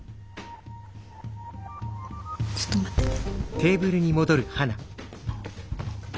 ちょっと待ってて。